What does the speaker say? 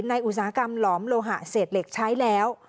อุตสาหกรรมหลอมโลหะเศษเหล็กใช้แล้ว